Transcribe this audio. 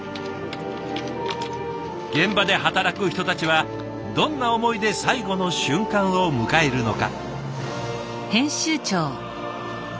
現場で働く人たちはどんな思いで最後の瞬間を迎えるのか。